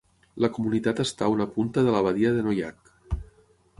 La comunitat està a una punta de la badia de Noyac.